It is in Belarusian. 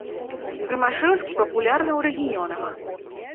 Рымашэўскі папулярны ў рэгіёнах.